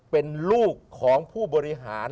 เป็นลูกของผู้บริหาร